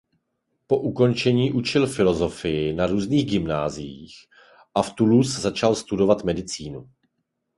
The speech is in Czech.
Po ukončení učil filosofii na různých gymnáziích a v Toulouse začal studovat medicínu.